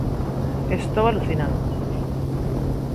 Estou alucinando.